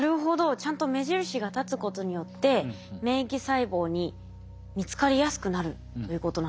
ちゃんと目印が立つことによって免疫細胞に見つかりやすくなるということなんですね。